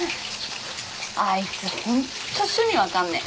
あいつホント趣味分かんねえ。